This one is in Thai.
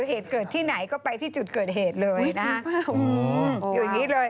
เหตุเกิดที่ไหนก็ไปที่จุดเกิดเหตุเลยนะ